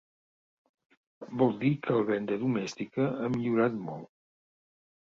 Vol dir que la venda domèstica ha millorat molt.